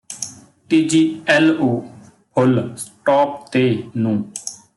ਤੀਜੀ L O full stop ਤੇ ਨੂੰ